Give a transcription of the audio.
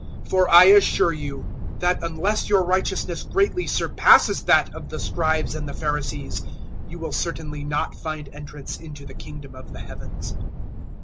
005:020 For I assure you that unless your righteousness greatly surpasses that of the Scribes and the Pharisees, you will certainly not find entrance into the Kingdom of the Heavens.